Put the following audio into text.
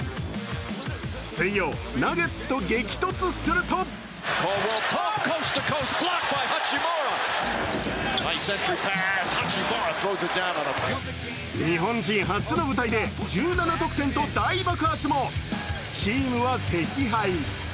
水曜、ナゲッツと激突すると日本人初の舞台で１７得点と大爆発もチームは惜敗。